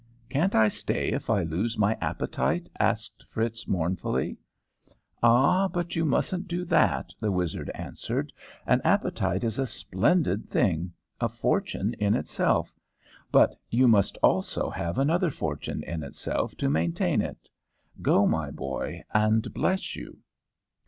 "'Can't I stay if I lose my appetite?" asked Fritz, mournfully. "'Ah, but you mustn't do that,' the wizard answered. 'An appetite is a splendid thing a fortune in itself but you must also have another fortune in itself to maintain it. Go, my boy, and bless you!'